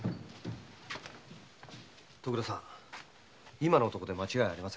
今の男で間違いありませんね？